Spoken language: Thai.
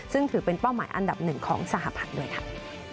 ซึ่งถือเป็นเป้าหมายอันดับหนึ่งของสหพันธ์ด้วยค่ะ